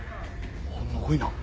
ほんのこいな。